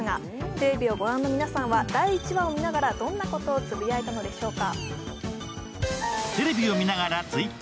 テレビを御覧の皆さんは、第１話を見ながらどんなことをつぶやいたのでしょうか。